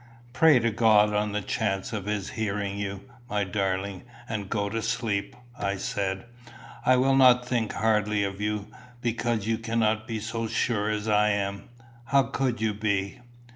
"Pray to God on the chance of his hearing you, my darling, and go to sleep," I said. "I will not think hardly of you because you cannot be so sure as I am. How could you be?